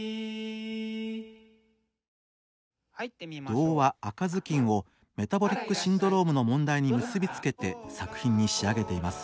童話「赤ずきん」をメタボリックシンドロームの問題に結び付けて作品に仕上げています。